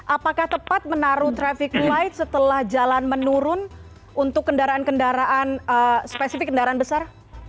apakah tepat menaruh traffic light setelah jalan menurun untuk kendaraan kendaraan spesifik kendaraan besar